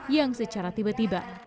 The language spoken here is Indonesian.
yang secara tiba tiba